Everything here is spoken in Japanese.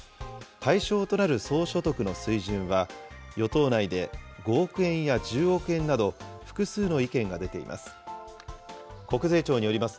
対象となる総所得の水準は、与党内で５億円や１０億円など、複数の意見が出ています。